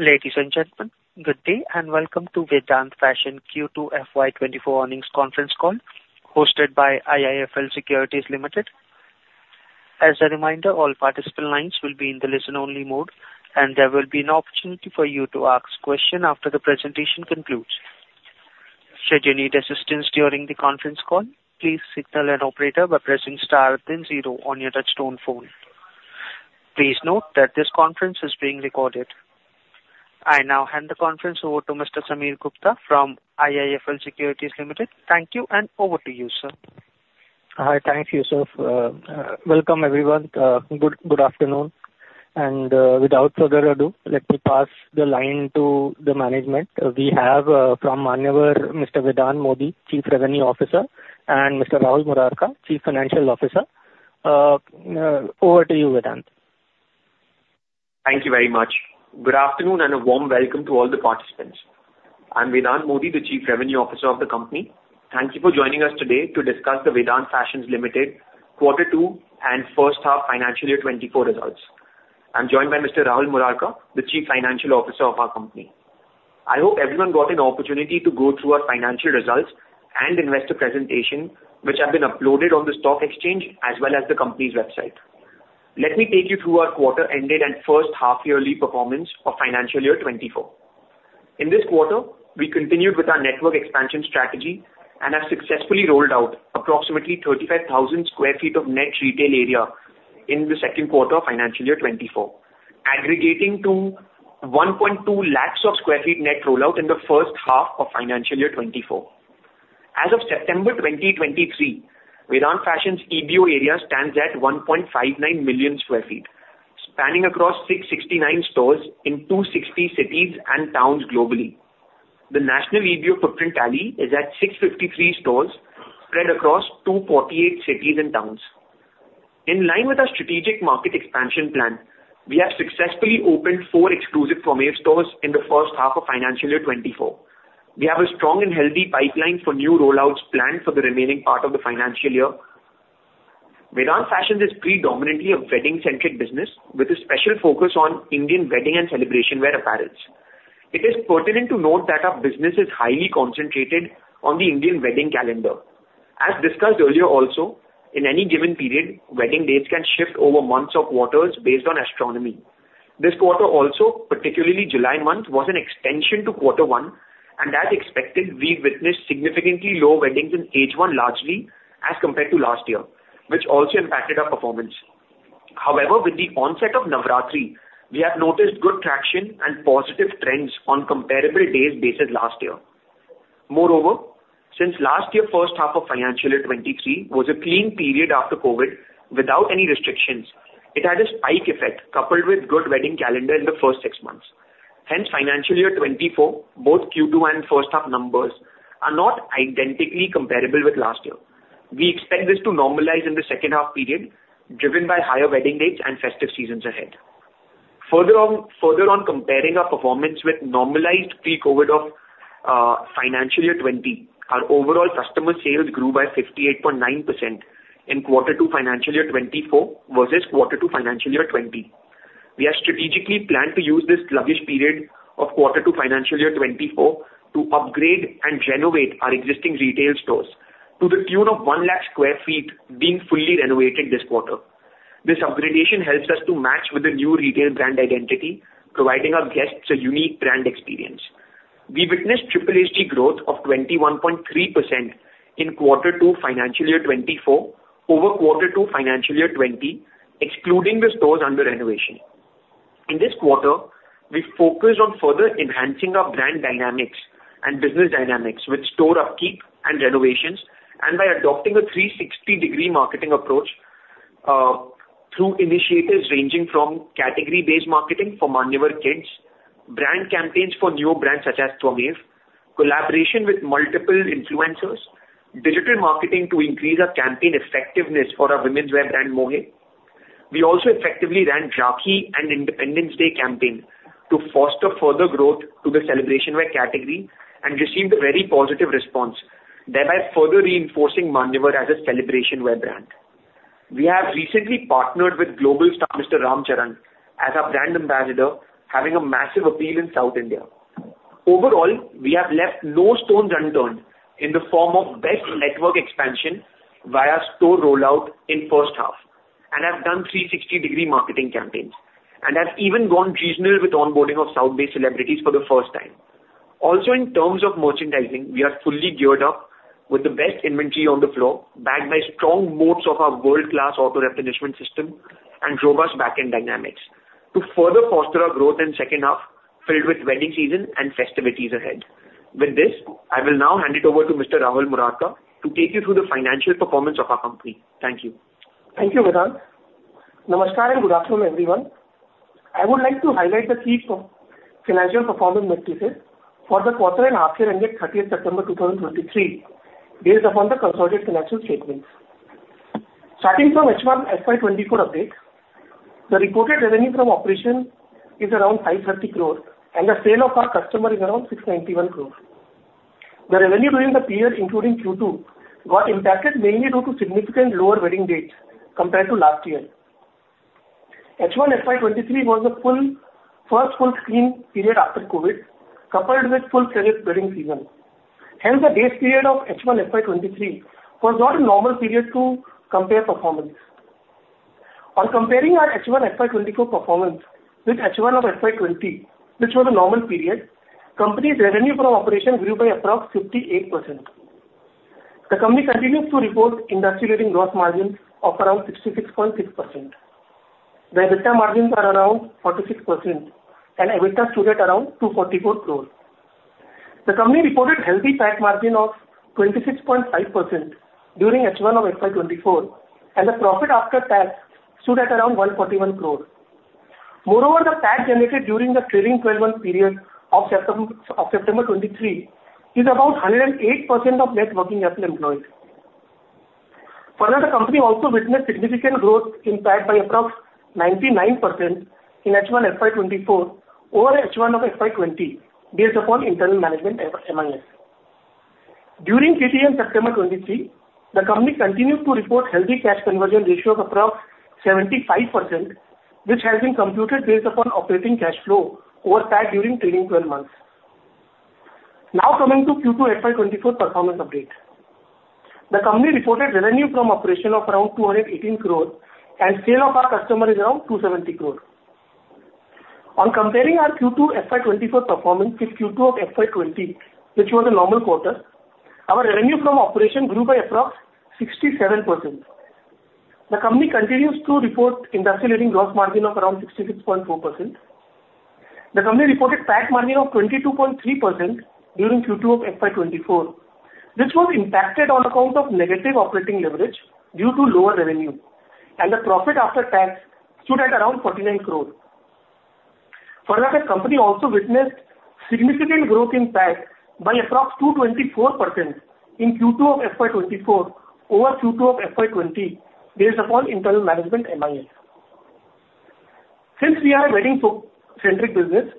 Ladies and gentlemen, good day, and welcome to Vedant Fashions Q2 FY24 earnings conference call, hosted by IIFL Securities Limited. As a reminder, all participant lines will be in the listen-only mode, and there will be an opportunity for you to ask questions after the presentation concludes. Should you need assistance during the conference call, please signal an operator by pressing star then zero on your touchtone phone. Please note that this conference is being recorded. I now hand the conference over to Mr. Sameer Gupta from IIFL Securities Limited. Thank you, and over to you, sir. Hi. Thank you, Yusuf. Welcome, everyone. Good afternoon, and without further ado, let me pass the line to the management. We have, from Manyavar, Mr. Vedant Modi, Chief Revenue Officer, and Mr. Rahul Murarka, Chief Financial Officer. Over to you, Vedant. Thank you very much. Good afternoon, and a warm welcome to all the participants. I'm Vedant Modi, the Chief Revenue Officer of the company. Thank you for joining us today to discuss the Vedant Fashions Limited quarter 2 and first half financial year 2024 results. I'm joined by Mr. Rahul Murarka, the Chief Financial Officer of our company. I hope everyone got an opportunity to go through our financial results and investor presentation, which have been uploaded on the stock exchange as well as the company's website. Let me take you through our quarter ended and first half yearly performance for financial year 2024. In this quarter, we continued with our network expansion strategy and have successfully rolled out approximately 35,000 sq ft of net retail area in the second quarter of financial year 2024, aggregating to 1.2 lakh sq ft net rollout in the first half of financial year 2024. As of September 2023, Vedant Fashions’ EBO area stands at 1.59 million sq ft, spanning across 669 stores in 260 cities and towns globally. The national EBO footprint tally is at 653 stores, spread across 248 cities and towns. In line with our strategic market expansion plan, we have successfully opened 4 exclusive Mohey Stores in the first half of financial year 2024. We have a strong and healthy pipeline for new rollouts planned for the remaining part of the financial year. Vedant Fashions is predominantly a wedding-centric business with a special focus on Indian wedding and celebration wear apparels. It is pertinent to note that our business is highly concentrated on the Indian wedding calendar. As discussed earlier also, in any given period, wedding dates can shift over months or quarters based on astronomy. This quarter also, particularly July month, was an extension to quarter one, and as expected, we witnessed significantly lower weddings in H1 largely as compared to last year, which also impacted our performance. However, with the onset of Navratri, we have noticed good traction and positive trends on comparable days basis last year. Moreover, since last year, first half of financial year 2023 was a clean period after COVID without any restrictions, it had a spike effect coupled with good wedding calendar in the first six months. Hence, financial year 2024, both Q2 and first half numbers are not identically comparable with last year. We expect this to normalize in the second half period, driven by higher wedding dates and festive seasons ahead. Further on, further on comparing our performance with normalized pre-COVID of financial year 2020, our overall customer sales grew by 58.9% in quarter two financial year 2024, versus quarter two financial year 2020. We have strategically planned to use this sluggish period of quarter two financial year 2024 to upgrade and renovate our existing retail stores to the tune of 100,000 sq ft being fully renovated this quarter. This upgradation helps us to match with the new retail brand identity, providing our guests a unique brand experience. We witnessed SSSG growth of 21.3% in quarter two financial year 2024 over quarter two financial year 2020, excluding the stores under renovation. In this quarter, we focused on further enhancing our brand dynamics and business dynamics with store upkeep and renovations, and by adopting a 360-degree marketing approach through initiatives ranging from category-based marketing for Manyavar Kids, brand campaigns for new brands such as Mohey, collaboration with multiple influencers, digital marketing to increase our campaign effectiveness for our women's wear brand, Mohey. We also effectively ran Rakhi and Independence Day campaign to foster further growth to the celebration wear category and received a very positive response, thereby further reinforcing Manyavar as a celebration wear brand. We have recently partnered with global star, Mr. Ram Charan, as our brand ambassador, having a massive appeal in South India. Overall, we have left no stone unturned in the form of best network expansion via store rollout in first half, and have done 360-degree marketing campaigns, and have even gone regional with onboarding of South-based celebrities for the first time. Also, in terms of merchandising, we are fully geared up with the best inventory on the floor, backed by strong moats of our world-class auto-replenishment system and robust backend dynamics to further foster our growth in second half, filled with wedding season and festivities ahead. With this, I will now hand it over to Mr. Rahul Murarka to take you through the financial performance of our company. Thank you. Thank you, Vedant. Namaskar, and good afternoon, everyone. I would like to highlight the key financial performance metrics for the quarter and half year ended thirtieth September 2023, based upon the consolidated financial statements. Starting from H1 FY24 update, the reported revenue from operation is around 530 crore, and the sale of our customer is around 691 crores. The revenue during the period, including Q2, got impacted mainly due to significant lower wedding dates compared to last year. H1 FY 2023 was a full, first full clean period after COVID, coupled with full saaya wedding season. Hence, the base period of H1 FY 2023 was not a normal period to compare performance. On comparing our H1 FY 2024 performance with H1 of FY 2020, which was a normal period, company's revenue from operations grew by approx 58%. The company continues to report industry-leading gross margins of around 66.6%, where EBITDA margins are around 46% and EBITDA stood at around 244 crore. The company reported healthy PAT margin of 26.5% during H1 of FY 2024, and the profit after tax stood at around 141 crore. Moreover, the PAT generated during the trailing twelve-month period of September 2023 is about 108% of net working capital employed. Further, the company also witnessed significant growth in PAT by approx 99% in H1 FY 2024 over H1 of FY 2020, based upon internal management MIS. During TTM September 2023, the company continued to report healthy cash conversion ratio of approx 75%, which has been computed based upon operating cash flow over PAT during trailing twelve months. Now, coming to Q2 FY 2024 performance update. The company reported revenue from operation of around 218 crores, and sale of our customer is around 270 crores. On comparing our Q2 FY 2024 performance with Q2 of FY 2020, which was a normal quarter, our revenue from operation grew by approx 67%. The company continues to report industry-leading gross margin of around 66.4%. The company reported PAT margin of 22.3% during Q2 of FY 2024, which was impacted on account of negative operating leverage due to lower revenue, and the profit after tax stood at around 49 crore. Further, the company also witnessed significant growth in PAT by approx 224% in Q2 of FY 2024 over Q2 of FY 2020, based upon internal management MIS. Since we are a wedding-centric business,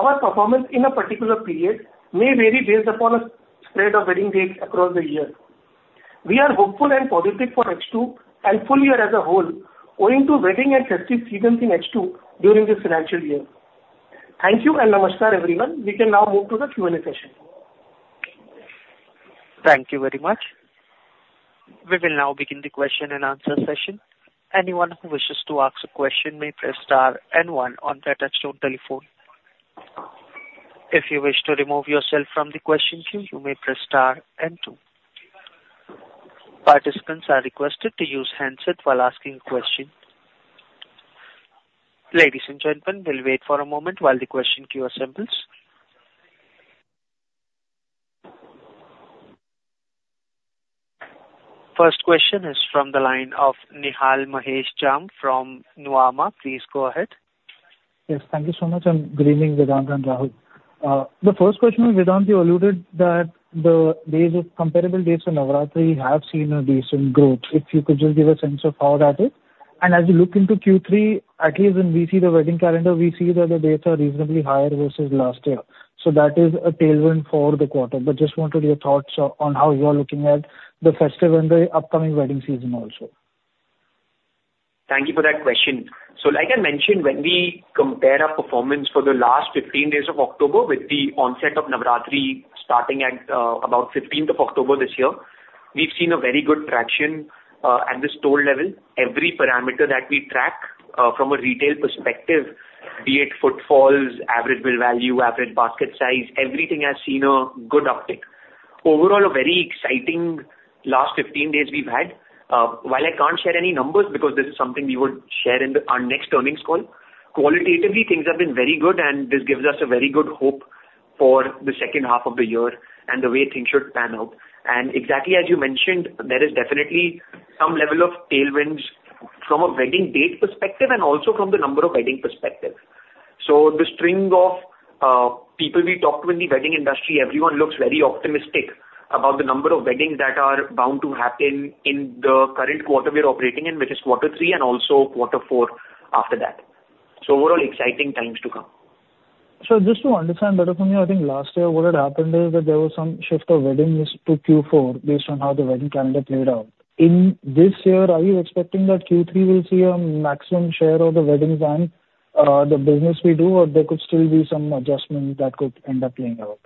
our performance in a particular period may vary based upon a spread of wedding dates across the year. We are hopeful and positive for H2 and full year as a whole, owing to wedding and festive seasons in H2 during this financial year. Thank you, and namaskar, everyone. We can now move to the Q&A session. Thank you very much. We will now begin the question and answer session. Anyone who wishes to ask a question may press star and one on their touchtone telephone. If you wish to remove yourself from the question queue, you may press star and two. Participants are requested to use handset while asking question. Ladies and gentlemen, we'll wait for a moment while the question queue assembles. First question is from the line of Nihal Mahesh Jham from Nuvama. Please go ahead. Yes, thank you so much, and good evening, Vedant and Rahul. The first question, Vedant, you alluded that the days of comparable days of Navratri have seen a decent growth. If you could just give a sense of how that is? And as you look into Q3, at least when we see the wedding calendar, we see that the dates are reasonably higher versus last year. So that is a tailwind for the quarter. But just wanted your thoughts on, on how you are looking at the festive and the upcoming wedding season also. Thank you for that question. So like I mentioned, when we compare our performance for the last 15 days of October with the onset of Navratri starting at, about 15th of October this year, we've seen a very good traction, at the store level. Every parameter that we track, from a retail perspective, be it footfalls, average bill value, average basket size, everything has seen a good uptick. Overall, a very exciting last 15 days we've had. While I can't share any numbers because this is something we would share in our next earnings call, qualitatively, things have been very good, and this gives us a very good hope for the second half of the year and the way things should pan out. Exactly as you mentioned, there is definitely some level of tailwinds from a wedding date perspective and also from the number of wedding perspective. So the string of people we talked to in the wedding industry, everyone looks very optimistic about the number of weddings that are bound to happen in the current quarter we are operating in, which is quarter three and also quarter four after that. So overall, exciting times to come. Just to understand better from you, I think last year what had happened is that there was some shift of weddings to Q4 based on how the wedding calendar played out. In this year, are you expecting that Q3 will see a maximum share of the weddings and, the business we do, or there could still be some adjustments that could end up playing out?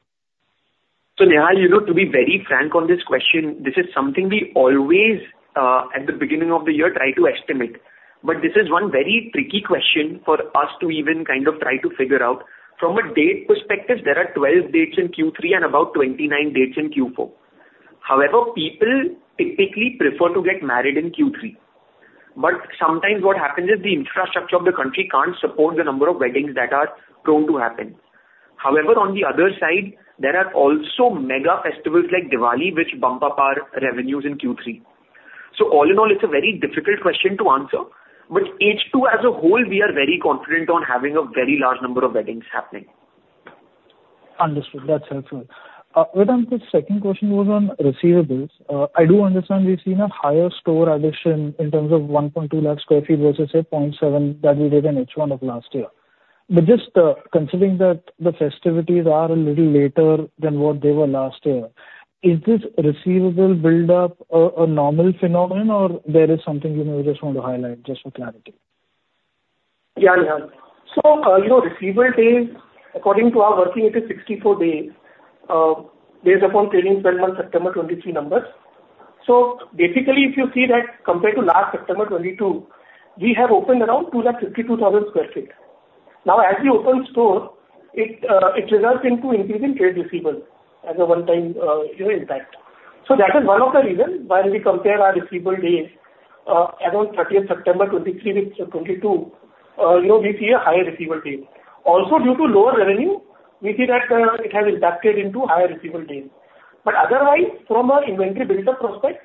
So Nihal, you know, to be very frank on this question, this is something we always, at the beginning of the year, try to estimate. But this is one very tricky question for us to even kind of try to figure out. From a date perspective, there are 12 dates in Q3 and about 29 dates in Q4. However, people typically prefer to get married in Q3. But sometimes what happens is the infrastructure of the country can't support the number of weddings that are prone to happen. However, on the other side, there are also mega festivals like Diwali, which bump up our revenues in Q3. So all in all, it's a very difficult question to answer, but H2 as a whole, we are very confident on having a very large number of weddings happening. Understood. That's helpful. Vedant, the second question was on receivables. I do understand we've seen a higher store addition in terms of 1.2 lakh sq ft versus 0.7 that we did in H1 of last year. But just, considering that the festivities are a little later than what they were last year, is this receivable build-up a normal phenomenon, or there is something you may just want to highlight, just for clarity? Yeah, yeah. So, you know, receivable days, according to our working, it is 64 days, based upon trailing 12 months September 2023 numbers. So basically, if you see that compared to last September 2022, we have opened around 252,000 sq ft. Now, as we open store, it results into increase in trade receivables as a one-time, you know, impact. So that is one of the reasons why we compare our receivable days, around 30th September 2023 with 2022, you know, we see a higher receivable day. Also, due to lower revenue, we see that, it has impacted into higher receivable days. But otherwise, from our inventory build-up prospect,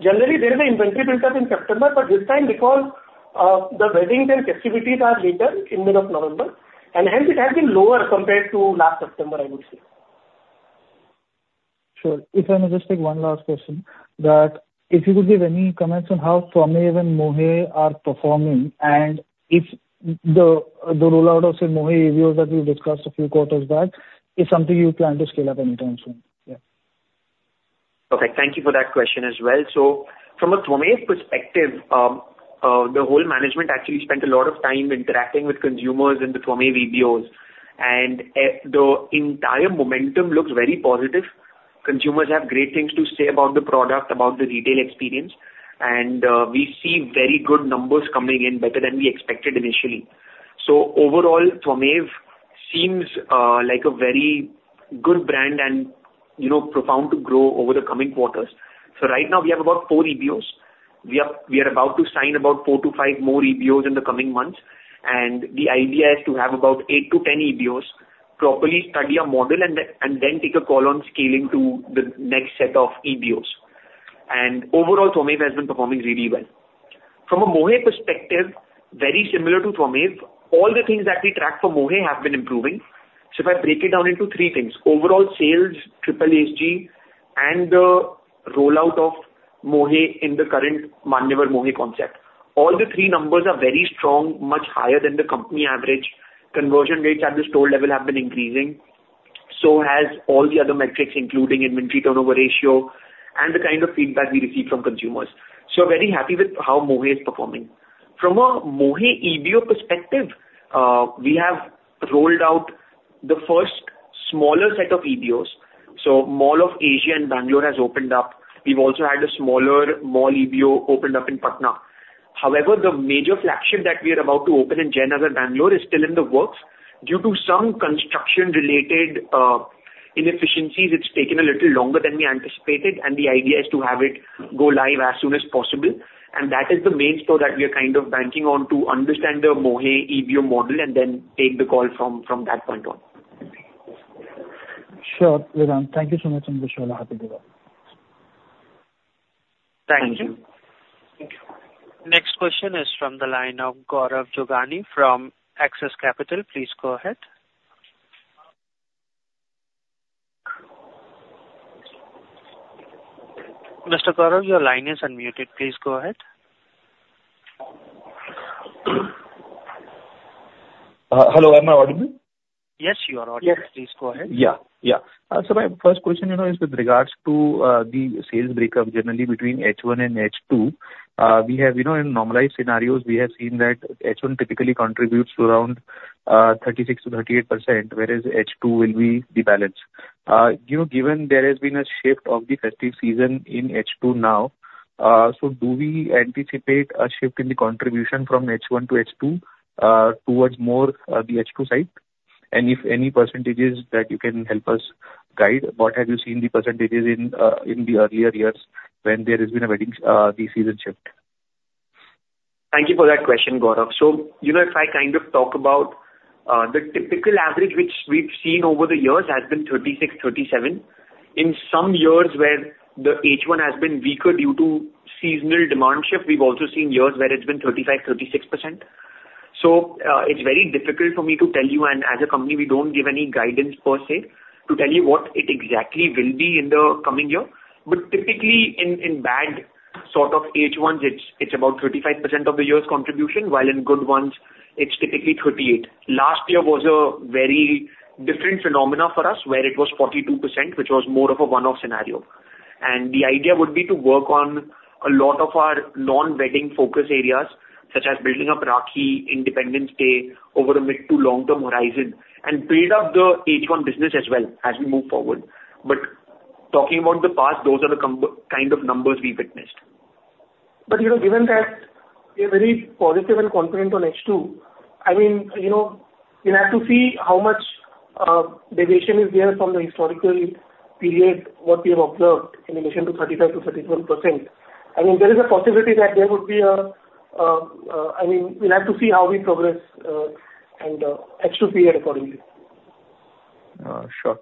generally there is an inventory build-up in September, but this time because, the weddings and festivities are later in the month of November, and hence it has been lower compared to last September, I would say. Sure. If I may just take one last question, that if you could give any comments on how Twamev and Mohey are performing, and if the rollout of, say, Mohey EBOs that we discussed a few quarters back, is something you plan to scale up anytime soon? Yeah. Okay, thank you for that question as well. So from a Twamev perspective, the whole management actually spent a lot of time interacting with consumers in the Twamev EBOs, and the entire momentum looks very positive. Consumers have great things to say about the product, about the retail experience, and we see very good numbers coming in, better than we expected initially. So overall, Twamev seems like a very good brand and, you know, profound to grow over the coming quarters. So right now we have about 4 EBOs. We are about to sign about 4-5 more EBOs in the coming months, and the idea is to have about 8-10 EBOs, properly study our model, and then take a call on scaling to the next set of EBOs. And overall, Twamev has been performing really well. From a Mohey perspective, very similar to Twamev, all the things that we track for Mohey have been improving. So if I break it down into three things: overall sales, SSSG, and the rollout of Mohey in the current Manyavar-Mohey concept. All the three numbers are very strong, much higher than the company average. Conversion rates at the store level have been increasing, so has all the other metrics, including inventory turnover ratio and the kind of feedback we receive from consumers. So very happy with how Mohey is performing. From a Mohey EBO perspective, we have rolled out the first smaller set of EBOs, so Mall of Asia in Bangalore has opened up. We've also had a smaller mall EBO opened up in Patna. However, the major flagship that we are about to open in Jayanagar at Bangalore is still in the works. Due to some construction-related inefficiencies, it's taken a little longer than we anticipated, and the idea is to have it go live as soon as possible. That is the main store that we are kind of banking on to understand the Mohey EBO model and then take the call from, from that point on. Sure, Vedant. Thank you so much, and wish you all happy Diwali. Thank you. Thank you. Next question is from the line of Gaurav Jogani from Axis Capital. Please go ahead. Mr. Gaurav, your line is unmuted. Please go ahead. Hello. Am I audible? Yes, you are audible. Yes. Please go ahead. Yeah, yeah. So my first question, you know, is with regards to the sales breakup generally between H1 and H2. We have, you know, in normalized scenarios, we have seen that H1 typically contributes to around 36%-38%, whereas H2 will be the balance. You know, given there has been a shift of the festive season in H2 now, so do we anticipate a shift in the contribution from H1 to H2, towards more the H2 side? And if any percentages that you can help us guide, what have you seen the percentages in, in the earlier years when there has been a wedding the season shift? Thank you for that question, Gaurav. So, you know, if I kind of talk about the typical average, which we've seen over the years, has been 36-37. In some years, where the H1 has been weaker due to seasonal demand shift, we've also seen years where it's been 35-36%. So, it's very difficult for me to tell you, and as a company, we don't give any guidance per se, to tell you what it exactly will be in the coming year. But typically, in bad sort of H1, it's about 35% of the year's contribution, while in good ones, it's typically 38%. Last year was a very different phenomenon for us, where it was 42%, which was more of a one-off scenario. The idea would be to work on a lot of our non-wedding focus areas, such as building up Rakhi, Independence Day, over a mid to long-term horizon, and build up the H1 business as well as we move forward. Talking about the past, those are the comparable kind of numbers we've witnessed. But, you know, given that we are very positive and confident on H2, I mean, you know, we'll have to see how much deviation is there from the historical period, what we have observed in relation to 35%-31%. I mean, there is a possibility that there would be I mean, we'll have to see how we progress, and execute accordingly. Sure.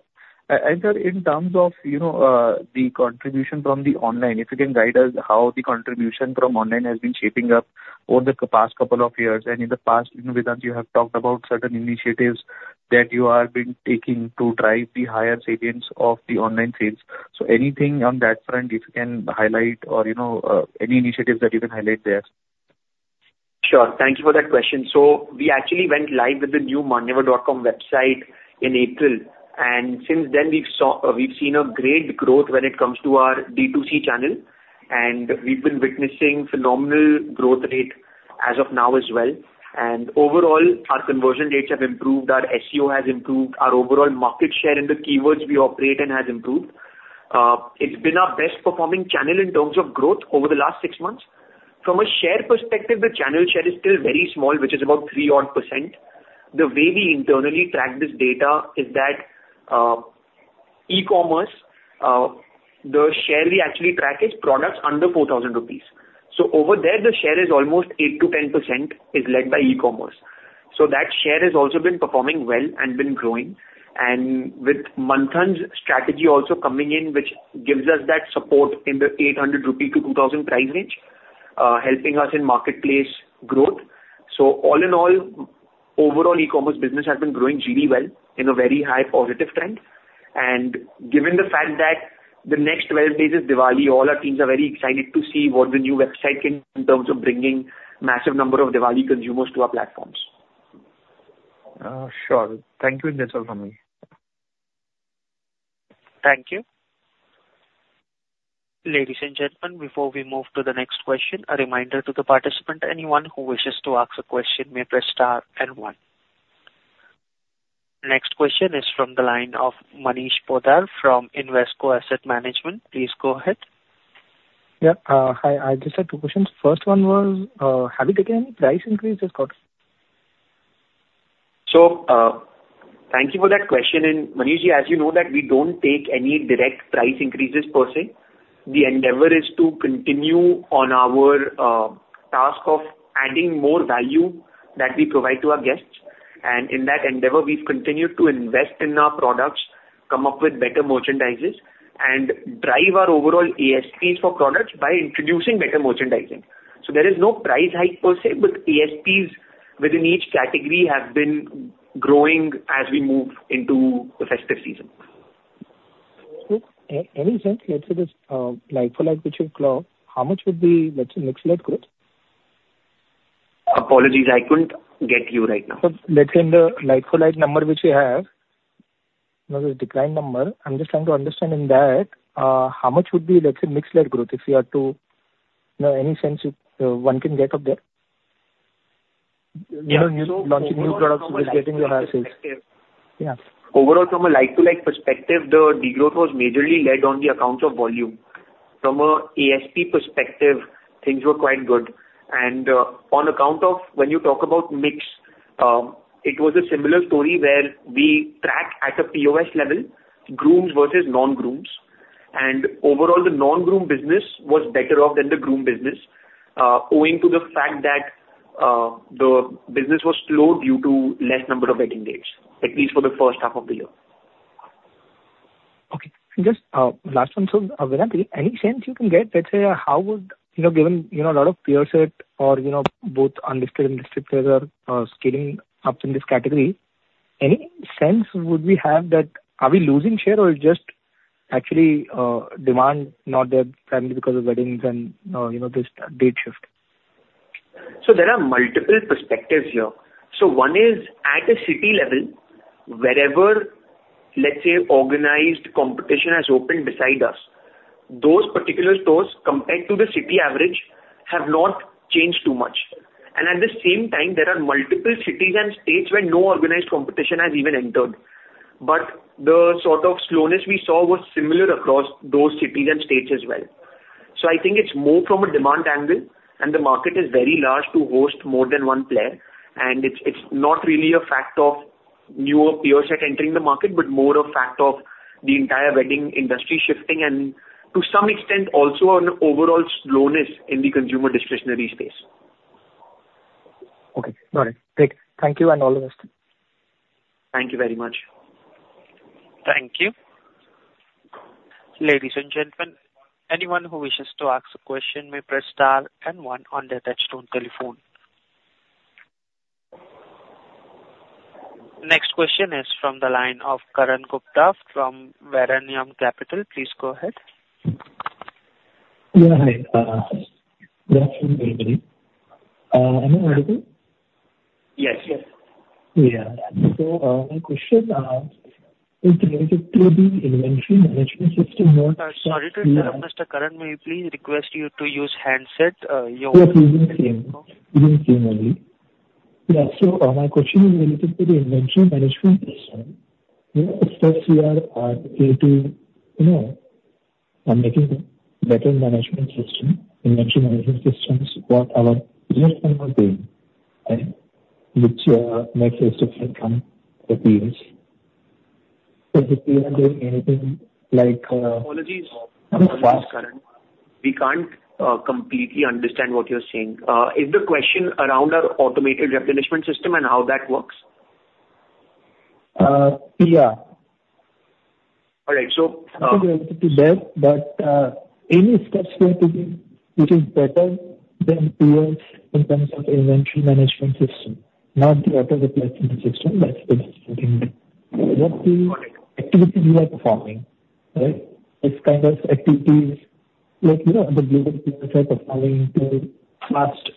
And in terms of, you know, the contribution from the online, if you can guide us how the contribution from online has been shaping up over the past couple of years. And in the past, you know, Vedant, you have talked about certain initiatives that you are been taking to drive the higher cadence of the online sales. So anything on that front, if you can highlight or, you know, any initiatives that you can highlight there? Sure. Thank you for that question. So we actually went live with the new Manyavar.com website in April, and since then we've seen a great growth when it comes to our D2C channel, and we've been witnessing phenomenal growth rate as of now as well. And overall, our conversion rates have improved, our SEO has improved, our overall market share in the keywords we operate in has improved. It's been our best performing channel in terms of growth over the last six months. From a share perspective, the channel share is still very small, which is about 3 odd percent. The way we internally track this data is that, e-commerce, the share we actually track is products under 4,000 rupees. So over there, the share is almost 8%-10%, is led by e-commerce. That share has also been performing well and been growing. With Manthan's strategy also coming in, which gives us that support in the 800-2,000 rupee price range, helping us in marketplace growth. All in all, overall e-commerce business has been growing really well in a very high positive trend. Given the fact that the next 12 days is Diwali, all our teams are very excited to see what the new website can, in terms of bringing massive number of Diwali consumers to our platforms. Sure. Thank you, and that's all from me. Thank you. Ladies and gentlemen, before we move to the next question, a reminder to the participant, anyone who wishes to ask a question may press star and one. Next question is from the line of Manish Poddar from Invesco Asset Management. Please go ahead. Yeah, hi. I just have two questions. First one was, have you taken any price increases, sir? So, thank you for that question. And Manish, as you know that we don't take any direct price increases per se. The endeavor is to continue on our task of adding more value that we provide to our guests, and in that endeavor, we've continued to invest in our products, come up with better merchandises, and drive our overall ASPs for products by introducing better merchandising. So there is no price hike per se, but ASPs within each category have been growing as we move into the festive season. Okay. Any sense, let's say, this like-for-like which you've grown, how much would be, let's say, mix-led growth? Apologies, I couldn't get you right now. Let's say in the like-for-like number, which you have, you know, the declined number. I'm just trying to understand in that, how much would be, let's say, mixed led growth, if you had to... You know, any sense one can get of that? Yeah, so- You know, launching new products, which is getting you higher sales. Yeah. Overall, from a like-to-like perspective, the degrowth was majorly led on the accounts of volume. From a ASP perspective, things were quite good. And, on account of when you talk about mix, it was a similar story where we track at a POS level, grooms versus non-grooms, and overall the non-groom business was better off than the groom business, owing to the fact that, the business was slow due to less number of wedding dates, at least for the first half of the year. Okay. Just, last one, so, Virati, any sense you can get, let's say, how would, you know, given, you know, a lot of peer set or, you know, both listed and listed trader, scaling up in this category, any sense would we have that, are we losing share or just actually, demand not there primarily because of weddings and, you know, this date shift? So there are multiple perspectives here. So one is, at a city level, wherever, let's say, organized competition has opened beside us, those particular stores, compared to the city average, have not changed too much. And at the same time, there are multiple cities and states where no organized competition has even entered. But the sort of slowness we saw was similar across those cities and states as well. So I think it's more from a demand angle, and the market is very large to host more than one player. And it's, it's not really a factor of newer peer set entering the market, but more a factor of the entire wedding industry shifting and to some extent, also on overall slowness in the consumer discretionary space. Okay. Got it. Great. Thank you and all the best. Thank you very much. Thank you. Ladies and gentlemen, anyone who wishes to ask a question may press star and one on their touchtone telephone. Next question is from the line of Karan Gupta from Varanium Capital. Please go ahead. Yeah, hi... Good afternoon, everybody. Am I audible? Yes, yes. Yeah. So, my question is related to the inventory management system, what- Sorry to interrupt, Mr. Karan, may we please request you to use handset? Your- Yes, even same. Even same only. Yeah, so, my question is related to the inventory management system. You know, as far as we are able to, you know, making better management system, inventory management systems what our. Which makes a difference from the previous. So do you have anything like- Apologies, Karan, we can't completely understand what you're saying. Is the question around our automated replenishment system and how that works? Uh, yeah.... All right, so, Any steps you have to take, which is better than yours in terms of inventory management system, not what is the system, that's the best thing. What do activities you are performing, right? Which kind of activities, like, you know, the global are performing to fast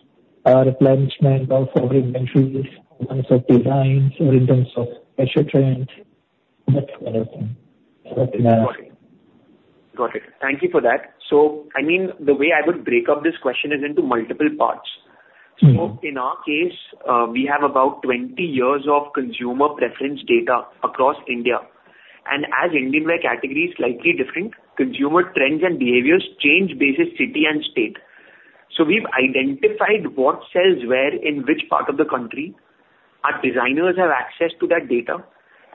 replenishment of our inventories in terms of designs or in terms of fashion trends, that kind of thing. Got it. Thank you for that. I mean, the way I would break up this question is into multiple parts. So in our case, we have about 20 years of consumer preference data across India. And as Indian wear category is slightly different, consumer trends and behaviors change basis city and state. So we've identified what sells where, in which part of the country. Our designers have access to that data,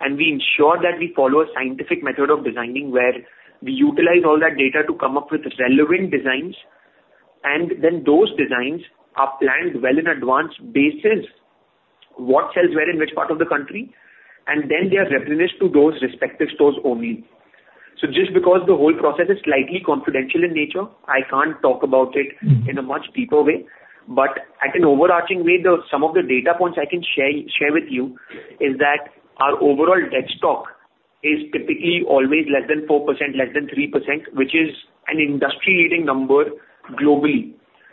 and we ensure that we follow a scientific method of designing, where we utilize all that data to come up with relevant designs, and then those designs are planned well in advance basis, what sells well in which part of the country, and then they are replenished to those respective stores only. So just because the whole process is slightly confidential in nature, I can't talk about it in a much deeper way. But at an overarching way, the, some of the data points I can share with you, is that our overall tech stock is typically always less than 4%, less than 3%, which is an industry-leading number globally.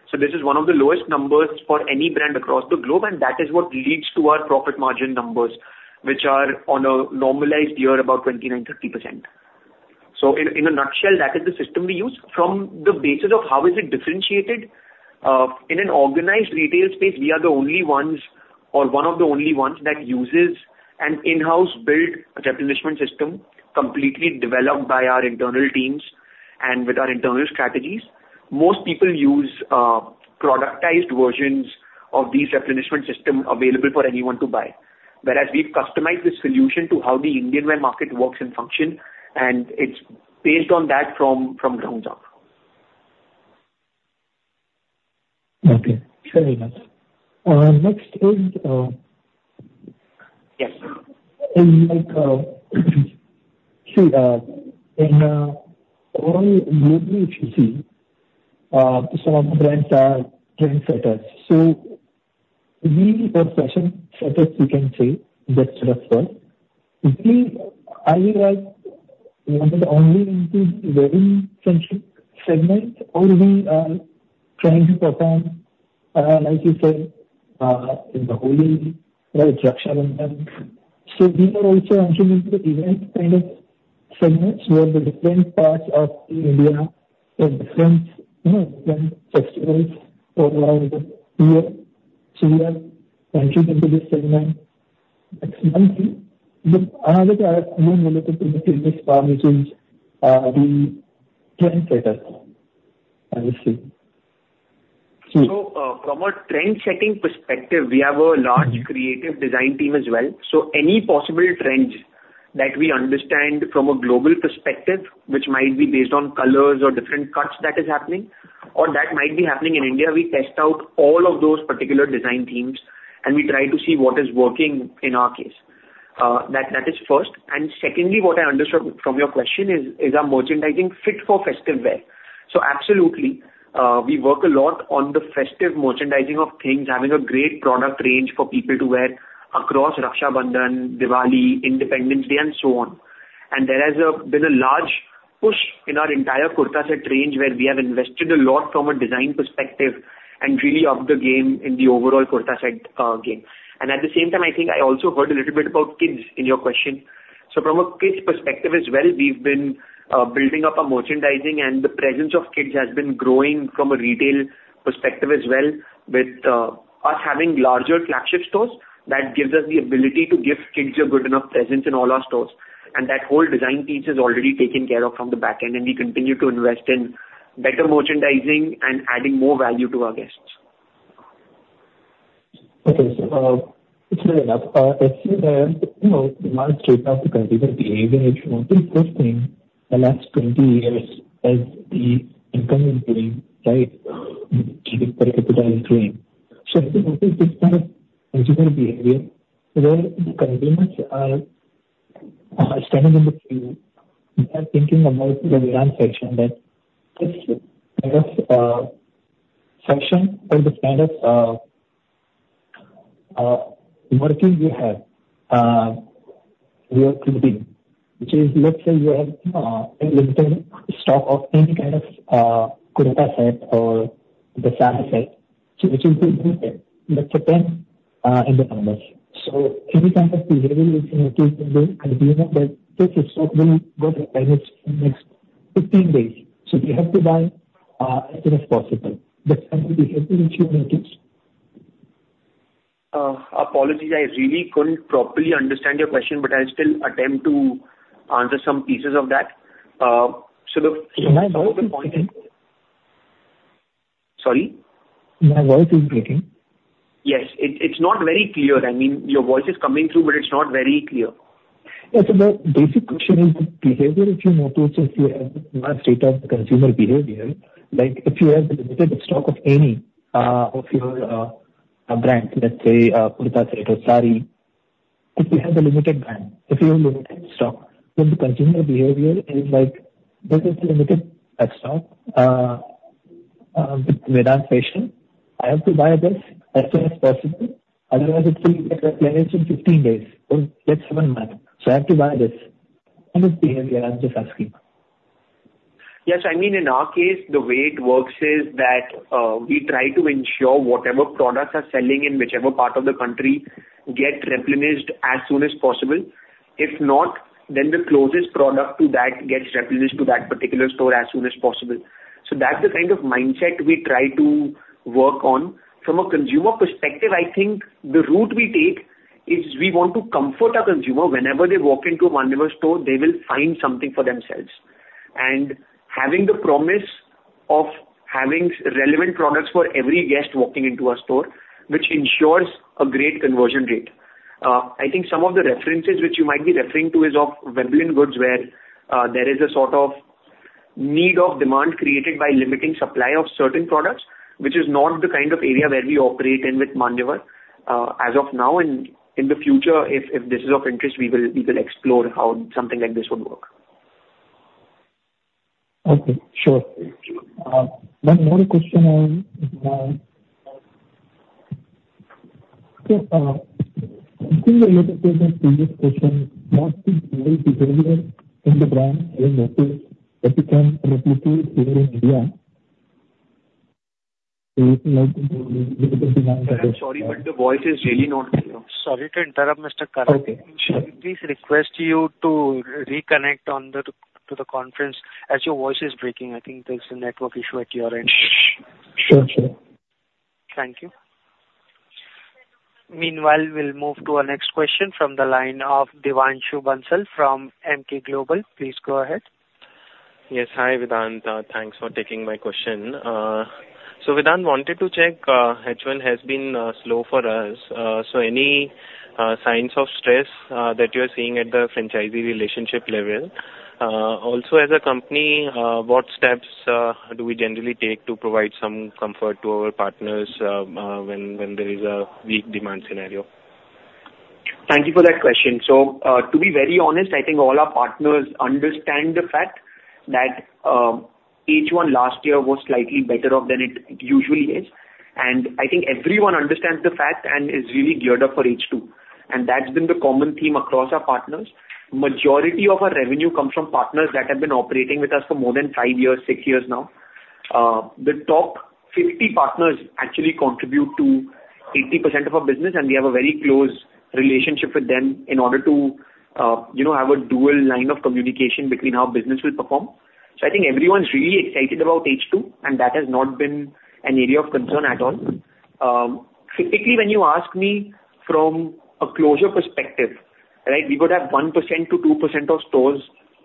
So this is one of the lowest numbers for any brand across the globe, and that is what leads to our profit margin numbers, which are on a normalized year, about 29%-30%. So in, in a nutshell, that is the system we use. From the basis of how is it differentiated, in an organized retail space, we are the only ones or one of the only ones that uses an in-house built replenishment system, completely developed by our internal teams and with our internal strategies. Most people use, productized versions of these replenishment system available for anyone to buy. Whereas we've customized the solution to how the Indian wear market works and function, and it's based on that from ground up. Okay, very much. Next is, Yes. Like, see, in, on globally, if you see, some of the brands are trendsetters. So we need professional setters, you can say, that sort of one. We, are you like one of the only into wedding segment, or we are trying to perform, like you said, in the holy Raksha Bandhan. So we are also entering into the event kind of segments, where the different parts of India have different, you know, different festivals throughout the year. So we are entering into this segment next month. But how are, you know, into this, the trendsetter, I would say? So, from a trendsetting perspective, we have a large creative design team as well. So any possible trends that we understand from a global perspective, which might be based on colors or different cuts that is happening, or that might be happening in India, we test out all of those particular design themes, and we try to see what is working in our case. That, that is first. And secondly, what I understood from your question is, is our merchandising fit for festive wear? So absolutely, we work a lot on the festive merchandising of things, having a great product range for people to wear across Raksha Bandhan, Diwali, Independence Day, and so on. There has been a large push in our entire kurta set range, where we have invested a lot from a design perspective and really upped the game in the overall kurta set game. And at the same time, I think I also heard a little bit about kids in your question. So from a kids perspective as well, we've been building up our merchandising, and the presence of kids has been growing from a retail perspective as well. With us having larger flagship stores, that gives us the ability to give kids a good enough presence in all our stores. And that whole design piece is already taken care of from the back end, and we continue to invest in better merchandising and adding more value to our guests. Okay, so, it's good enough. I see the, you know, market of the consumer behavior, I think first thing, the last 20 years as the incumbent being right during. So I think this kind of consumer behavior, where the consumers are, are standing in the queue, they are thinking about the demand section, that this, kind of, section or the kind of, working we have, we are competing, which is, let's say you have, a limited stock of any kind of, kurta set or the saree set, which will be there, let's say 10, in the commerce. So any kind of behavior you can observe in the consumer, that this is what will go to the next, next 15 days. So we have to buy, as soon as possible. That's going to be helping in few minutes. Apologies, I really couldn't properly understand your question, but I'll still attempt to answer some pieces of that. So the- My voice is breaking. Sorry? My voice is breaking. Yes, it's not very clear. I mean, your voice is coming through, but it's not very clear. Yeah, so the basic question is the behavior, if you notice, if you have my state of consumer behavior, like if you have a limited stock of any, of your, a brand, let's say, Kurta set or sari. If you have a limited brand, if you have limited stock, then the consumer behavior is like, this is limited stock. Vedant Fashions, I have to buy this as soon as possible, otherwise it will get replenished in 15 days or next 7 months, so I have to buy this. How is behavior? I'm just asking. Yes, I mean, in our case, the way it works is that we try to ensure whatever products are selling in whichever part of the country get replenished as soon as possible. If not, then the closest product to that gets replenished to that particular store as soon as possible. So that's the kind of mindset we try to work on. From a consumer perspective, I think the route we take is we want to comfort our consumer. Whenever they walk into a Manyavar store, they will find something for themselves. And having the promise of having relevant products for every guest walking into our store, which ensures a great conversion rate. I think some of the references which you might be referring to is of Veblen goods, where there is a sort of need of demand created by limiting supply of certain products, which is not the kind of area where we operate in with Manyavar. As of now, and in the future, if this is of interest, we will explore how something like this would work. Okay, sure. One more question on, so, related to the previous question, in the brand, I notice that you can replicate here in India. I'm sorry, but the voice is really not clear. Sorry to interrupt, Mr. Karan. Okay. We please request you to reconnect to the conference, as your voice is breaking. I think there's a network issue at your end. Sure, sure. Thank you. Meanwhile, we'll move to our next question from the line of Devanshu Bansal from Emkay Global. Please go ahead. Yes, hi, Vedant. Thanks for taking my question. So Vedant, wanted to check, H1 has been slow for us. So any signs of stress that you're seeing at the franchisee relationship level? Also, as a company, what steps do we generally take to provide some comfort to our partners, when there is a weak demand scenario? Thank you for that question. So, to be very honest, I think all our partners understand the fact that, H1 last year was slightly better off than it usually is. And I think everyone understands the fact and is really geared up for H2, and that's been the common theme across our partners. Majority of our revenue comes from partners that have been operating with us for more than 5 years, 6 years now. The top 50 partners actually contribute to 80% of our business, and we have a very close relationship with them in order to, you know, have a dual line of communication between how business will perform. So I think everyone's really excited about H2, and that has not been an area of concern at all. Typically, when you ask me from a closure perspective, right, we would have 1%-2% of stores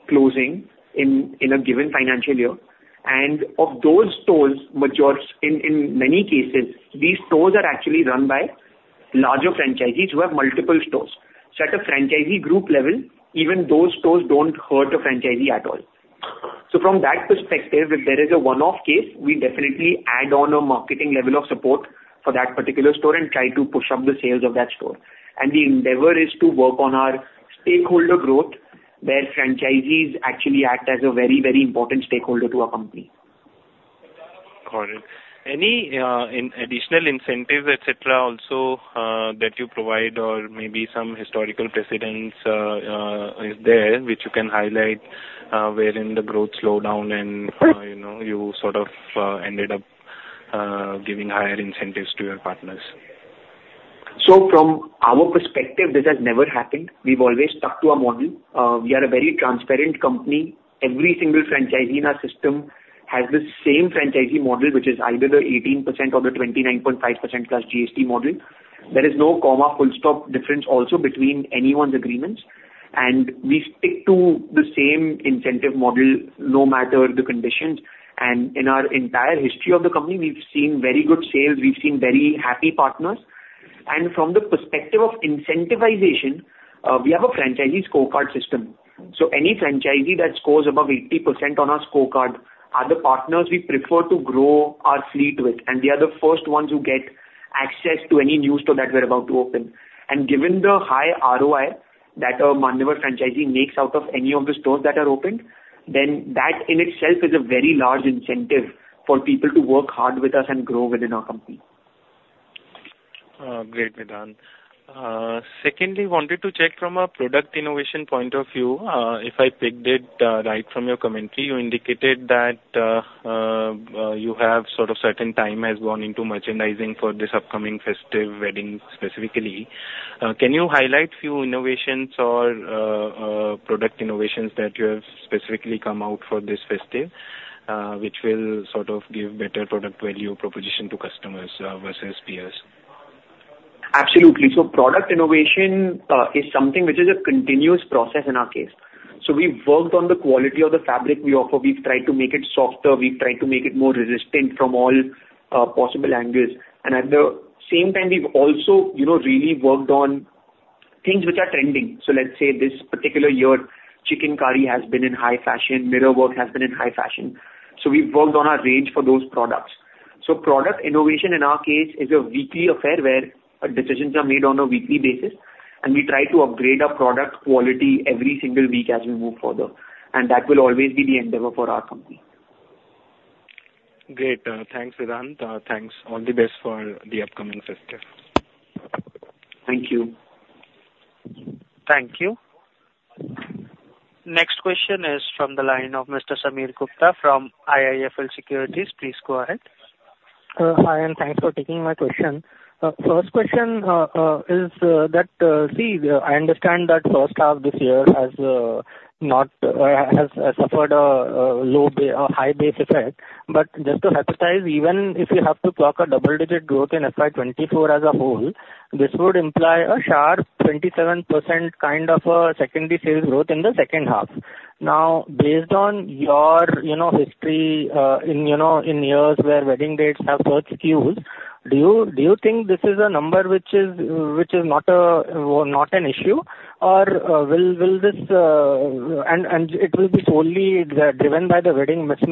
closing in a given financial year. And of those stores, majority... In many cases, these stores are actually run by larger franchisees who have multiple stores. So at a franchisee group level, even those stores don't hurt a franchisee at all. So from that perspective, if there is a one-off case, we definitely add on a marketing level of support for that particular store and try to push up the sales of that store. And the endeavor is to work on our stakeholder growth, where franchisees actually act as a very, very important stakeholder to our company. Got it. Any additional incentives, et cetera, also that you provide or maybe some historical precedents, is there which you can highlight wherein the growth slowed down and, you know, you sort of ended up giving higher incentives to your partners? So from our perspective, this has never happened. We've always stuck to our model. We are a very transparent company. Every single franchisee in our system has the same franchisee model, which is either the 18% or the 29.5% plus GST model. There is no comma, full stop difference also between anyone's agreements, and we stick to the same incentive model, no matter the conditions. And in our entire history of the company, we've seen very good sales, we've seen very happy partners. And from the perspective of incentivization, we have a franchisee scorecard system. So any franchisee that scores above 80% on our scorecard are the partners we prefer to grow our fleet with, and they are the first ones who get access to any new store that we're about to open. Given the high ROI that a Manyavar franchisee makes out of any of the stores that are opened, then that in itself is a very large incentive for people to work hard with us and grow within our company. Great, Vedant. Secondly, wanted to check from a product innovation point of view, if I picked it right from your commentary, you indicated that you have sort of certain time has gone into merchandising for this upcoming festive wedding specifically. Can you highlight few innovations or product innovations that you have specifically come out for this festive, which will sort of give better product value proposition to customers versus peers? Absolutely. So product innovation is something which is a continuous process in our case. So we've worked on the quality of the fabric we offer. We've tried to make it softer, we've tried to make it more resistant from all possible angles. And at the same time, we've also, you know, really worked on things which are trending. So let's say, this particular year, chikankari has been in high fashion, mirror work has been in high fashion, so we've worked on our range for those products. So product innovation in our case is a weekly affair, where our decisions are made on a weekly basis, and we try to upgrade our product quality every single week as we move further, and that will always be the endeavor for our company. Great! Thanks, Vedant. Thanks. All the best for the upcoming festive. Thank you. Thank you. Next question is from the line of Mr. Sameer Gupta from IIFL Securities. Please go ahead. Hi, and thanks for taking my question. First question is that, see, I understand that first half this year has not suffered a high base effect, but just to hypothesize, even if you have to clock a double-digit growth in FY 2024 as a whole, this would imply a sharp 27% kind of same-store sales growth in the second half. Now, based on your, you know, history, in, you know, in years where wedding dates have such skews, do you think this is a number which is not an issue? Or will this... And it will be solely driven by the wedding dates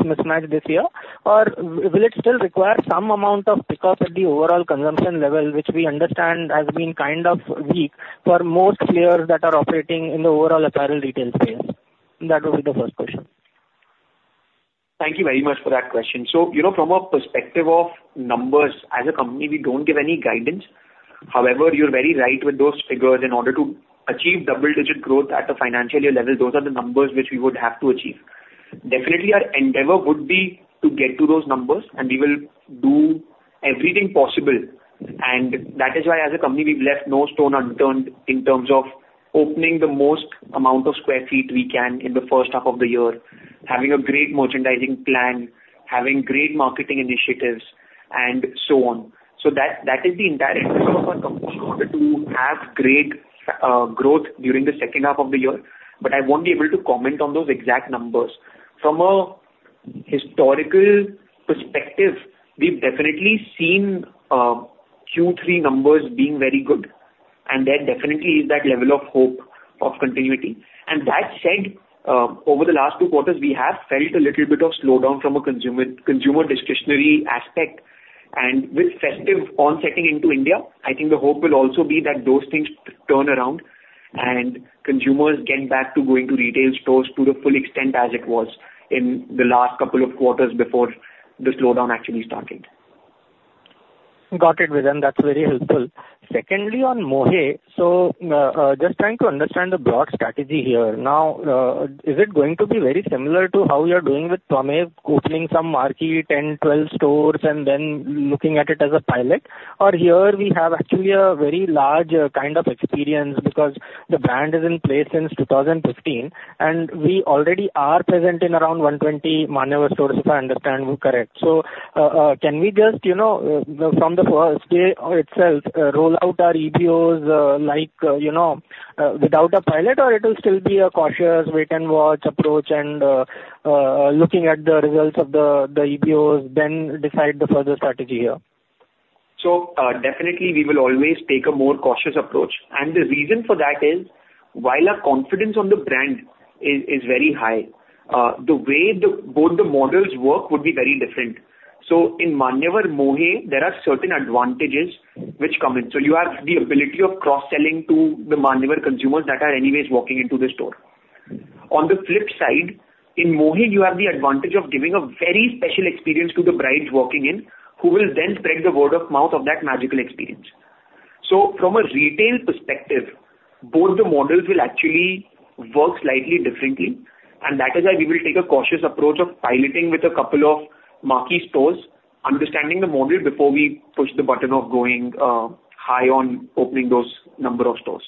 mismatch this year? Or will it still require some amount of pick-up at the overall consumption level, which we understand has been kind of weak for most players that are operating in the overall apparel retail space? That would be the first question. Thank you very much for that question. So, you know, from a perspective of numbers, as a company, we don't give any guidance. However, you're very right with those figures. In order to achieve double-digit growth at a financial year level, those are the numbers which we would have to achieve. Definitely, our endeavor would be to get to those numbers, and we will do everything possible, and that is why, as a company, we've left no stone unturned in terms of opening the most amount of square feet we can in the first half of the year, having a great merchandising plan, having great marketing initiatives, and so on. So that, that is the entire intent of our company, in order to have great growth during the second half of the year, but I won't be able to comment on those exact numbers. From a historical perspective, we've definitely seen, Q3 numbers being very good, and there definitely is that level of hope of continuity. And that said, over the last two quarters, we have felt a little bit of slowdown from a consumer, consumer discretionary aspect. And with festive on setting into India, I think the hope will also be that those things turn around and consumers get back to going to retail stores to the full extent as it was in the last couple of quarters before the slowdown actually started. Got it, Vedant. That's very helpful. Secondly, on Mohey, so, just trying to understand the broad strategy here. Now, is it going to be very similar to how we are doing with Twamev, opening some marquee 10, 12 stores, and then looking at it as a pilot? Or here we have actually a very large, kind of experience because the brand is in place since 2015, and we already are present in around 120 Manyavar stores, if I understand correct. So, can we just, you know, from the first day, itself, roll out our EBOs, like, you know, without a pilot, or it'll still be a cautious wait-and-watch approach and, looking at the results of the, the EBOs, then decide the further strategy here? So, definitely we will always take a more cautious approach. And the reason for that is, while our confidence on the brand is, is very high, the way the, both the models work would be very different. So in Manyavar Mohey, there are certain advantages which come in. So you have the ability of cross-selling to the Manyavar consumers that are anyways walking into the store. On the flip side, in Mohey, you have the advantage of giving a very special experience to the brides walking in, who will then spread the word of mouth of that magical experience. So from a retail perspective, both the models will actually work slightly differently, and that is why we will take a cautious approach of piloting with a couple of marquee stores, understanding the model before we push the button of going, high on opening those number of stores.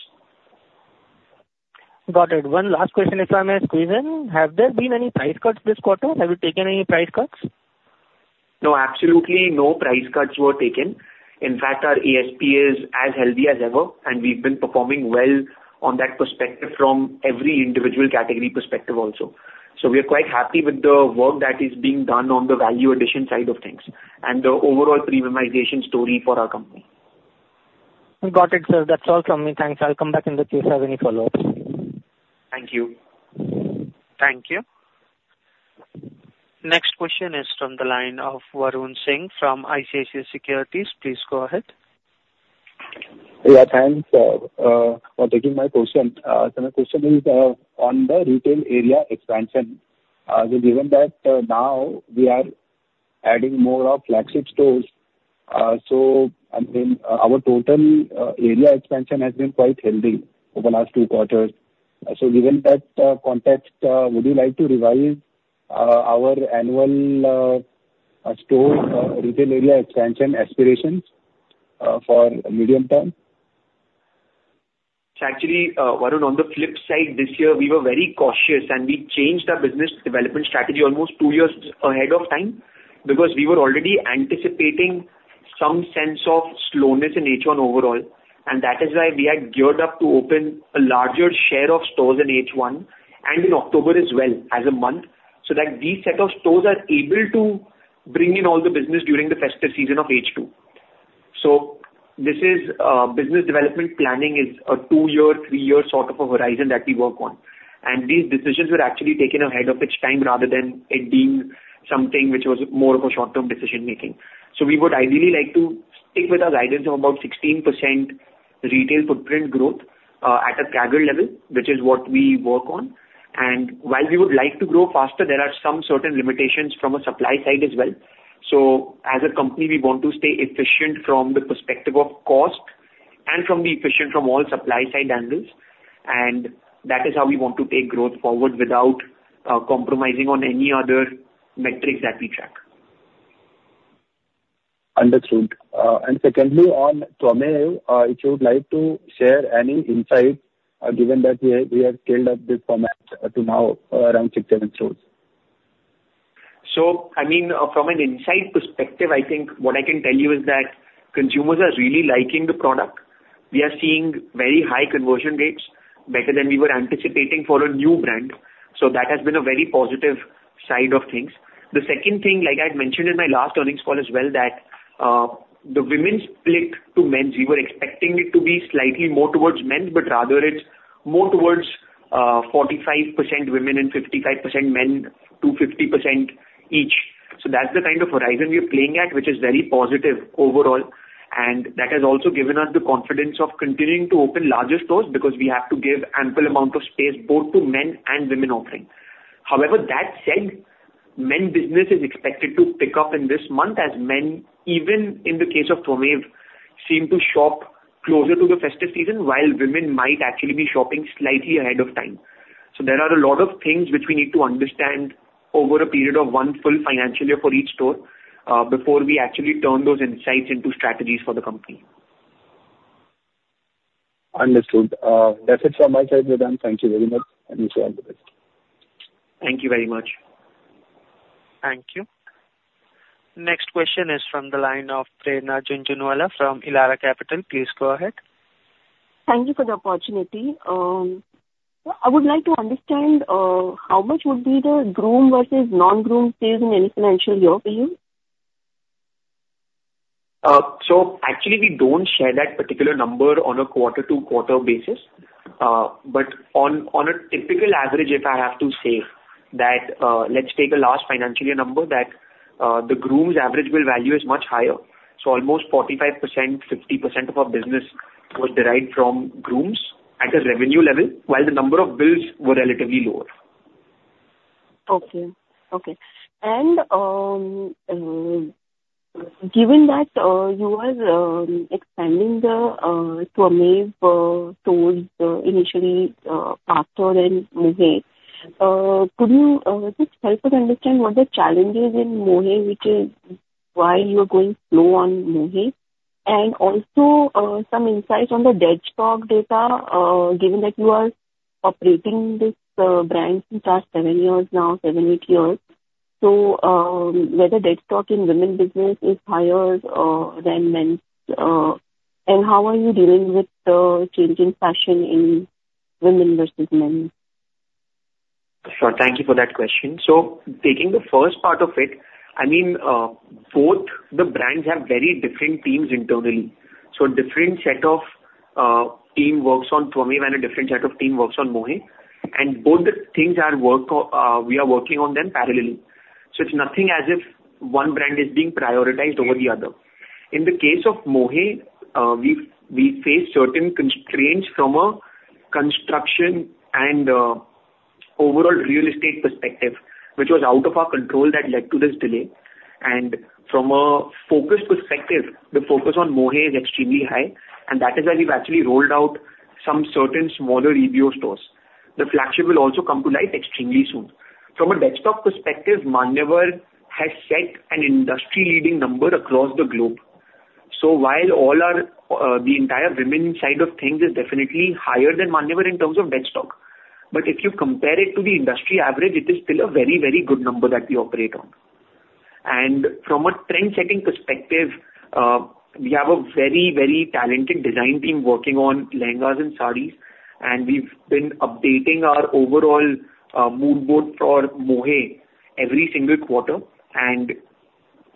Got it. One last question, if I may squeeze in. Have there been any price cuts this quarter? Have you taken any price cuts? No, absolutely no price cuts were taken. In fact, our ASP is as healthy as ever, and we've been performing well on that perspective from every individual category perspective also. So we are quite happy with the work that is being done on the value addition side of things, and the overall premiumization story for our company. Got it, sir. That's all from me. Thanks. I'll come back in the case I have any follow-ups. Thank you. Thank you. Next question is from the line of Varun Singh from ICICI Securities. Please go ahead. Yeah, thanks for taking my question. So my question is on the retail area expansion. So given that, now we are adding more of flagship stores, so, I mean, our total area expansion has been quite healthy over the last two quarters. So given that context, would you like to revise our annual store retail area expansion aspirations for medium term? Actually, Varun, on the flip side, this year, we were very cautious, and we changed our business development strategy almost two years ahead of time, because we were already anticipating some sense of slowness in H1 overall, and that is why we had geared up to open a larger share of stores in H1 and in October as well as a month, so that these set of stores are able to bring all the business during the festive season of H2. So this is, business development planning is a two-year, three-year sort of a horizon that we work on. And these decisions were actually taken ahead of its time, rather than it being something which was more of a short-term decision making. We would ideally like to stick with our guidance of about 16% retail footprint growth, at a staggered level, which is what we work on. While we would like to grow faster, there are some certain limitations from a supply side as well. As a company, we want to stay efficient from the perspective of cost and from the efficient from all supply side angles, and that is how we want to take growth forward without compromising on any other metrics that we track. Understood. Secondly, on Twamev, if you would like to share any insight, given that we have scaled up this format to now around 6-7 stores. So I mean, from an insight perspective, I think what I can tell you is that consumers are really liking the product. We are seeing very high conversion rates, better than we were anticipating for a new brand, so that has been a very positive side of things. The second thing, like I had mentioned in my last earnings call as well, that, the women's split to men's, we were expecting it to be slightly more towards men, but rather it's more towards, 45% women and 55% men, to 50% each. So that's the kind of horizon we are playing at, which is very positive overall, and that has also given us the confidence of continuing to open larger stores, because we have to give ample amount of space both to men and women offering. However, that said, men business is expected to pick up in this month, as men, even in the case of Twamev, seem to shop closer to the festive season, while women might actually be shopping slightly ahead of time. There are a lot of things which we need to understand over a period of one full financial year for each store, before we actually turn those insights into strategies for the company. Understood. That's it from my side, Vedant. Thank you very much, and wish you all the best. Thank you very much. Thank you. Next question is from the line of Prerna Jhunjhunwala from Elara Capital. Please go ahead. Thank you for the opportunity. I would like to understand, how much would be the groom versus non-groom sales in any financial year for you? So actually, we don't share that particular number on a quarter-to-quarter basis. But on a typical average, if I have to say that, let's take a last financial year number, that the groom's average bill value is much higher. So almost 45%-50% of our business was derived from grooms at a revenue level, while the number of bills were relatively lower. Okay, okay. Given that you are expanding the Twamev stores initially faster on Mohey, could you just help us understand what the challenge is in Mohey, which is why you are going slow on Mohey? And also, some insight on the dead stock data, given that you are operating this brand since last 7 years now, 7, 8 years. So, whether dead stock in women business is higher than men's, and how are you dealing with the change in fashion in women versus men? Sure. Thank you for that question. So taking the first part of it, I mean, both the brands have very different teams internally. So a different set of team works on Twamev and a different set of team works on Mohey, and we are working on them parallelly. So it's nothing as if one brand is being prioritized over the other. In the case of Mohey, we face certain constraints from a construction and overall real estate perspective, which was out of our control, that led to this delay. And from a focus perspective, the focus on Mohey is extremely high, and that is why we've actually rolled out some certain smaller EBO stores. The flagship will also come to light extremely soon. From a D2C perspective, Manyavar has set an industry-leading number across the globe. So while all our the entire women side of things is definitely higher than Manyavar in terms of dead stock, but if you compare it to the industry average, it is still a very, very good number that we operate on. And from a trend-setting perspective, we have a very, very talented design team working on lehengas and sarees, and we've been updating our overall mood board for Mohey every single quarter. And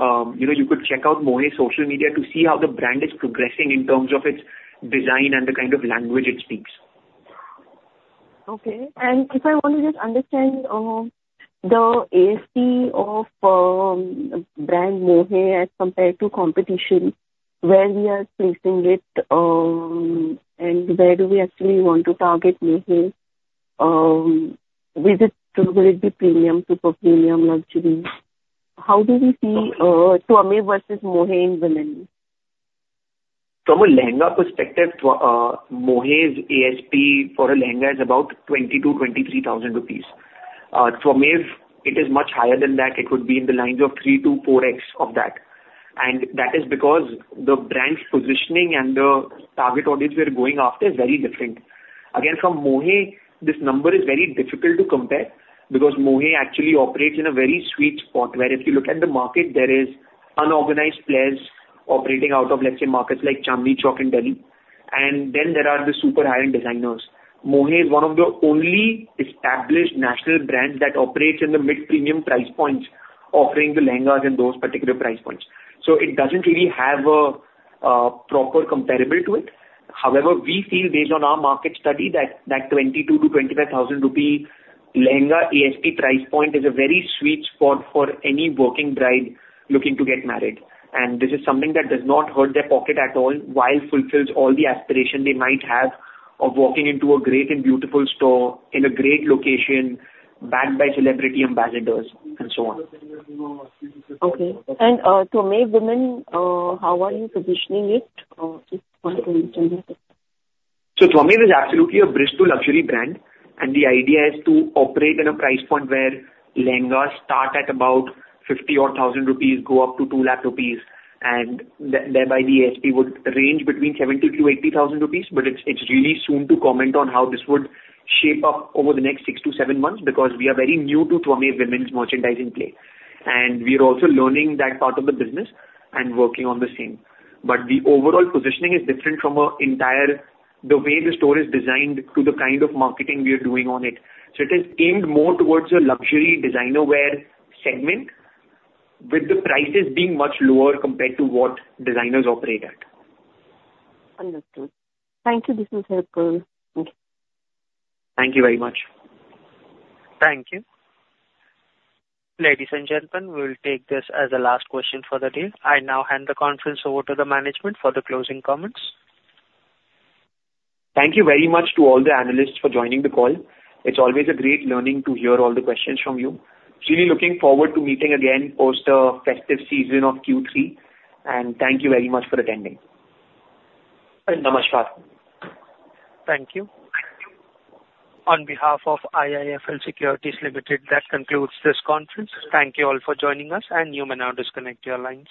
you know, you could check out Mohey social media to see how the brand is progressing in terms of its design and the kind of language it speaks. Okay. And if I want to just understand the ASP of brand Mohey as compared to competition, where we are placing it, and where do we actually want to target Mohey? Is it, will it be premium, super premium, luxury? How do we see Twamev versus Mohey in women? From a lehenga perspective, Mohey's ASP for a lehenga is about 20,000-23,000 rupees. Twamev, it is much higher than that. It could be in the lines of 3-4x of that, and that is because the brand's positioning and the target audience we are going after is very different. Again, from Mohey, this number is very difficult to compare because Mohey actually operates in a very sweet spot, where if you look at the market, there is unorganized players operating out of, let's say, markets like Chandni Chowk in Delhi. And then there are the super high-end designers. Mohey is one of the only established national brands that operates in the mid-premium price points, offering the lehengas in those particular price points. So it doesn't really have a proper comparable to it. However, we feel based on our market study that 22,000-25,000 rupee lehenga ASP price point is a very sweet spot for any working bride looking to get married. And this is something that does not hurt their pocket at all, while fulfills all the aspiration they might have of walking into a great and beautiful store in a great location, backed by celebrity ambassadors and so on. Okay. And, Twamev, how are you positioning it? Just want to understand that. Twamev is absolutely a bridge-to-luxury brand, and the idea is to operate in a price point where lehengas start at about 50,000 rupees, go up to 200,000 rupees, and thereby, the ASP would range between 70,000-80,000 rupees. But it's really too soon to comment on how this would shape up over the next six to seven months, because we are very new to Twamev women's merchandising play. And we are also learning that part of the business and working on the same. But the overall positioning is different from our entire, the way the store is designed to the kind of marketing we are doing on it. So it is aimed more towards a luxury designer wear segment, with the prices being much lower compared to what designers operate at. Understood. Thank you. This was helpful. Okay. Thank you very much. Thank you. Ladies and gentlemen, we will take this as the last question for the day. I now hand the conference over to the management for the closing comments. Thank you very much to all the analysts for joining the call. It's always a great learning to hear all the questions from you. Really looking forward to meeting again post the festive season of Q3, and thank you very much for attending. Namaskar. Thank you. On behalf of IIFL Securities Limited, that concludes this conference. Thank you all for joining us, and you may now disconnect your lines.